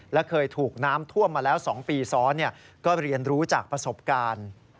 และเคยถูกน้ำท่วมมาแล้ว๒ปีซ้อนก็เรียนรู้จากประสบการณ์